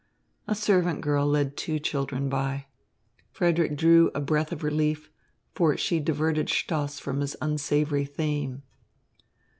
A servant girl led two children by. Frederick drew a breath of relief, for she diverted Stoss from his unsavoury theme.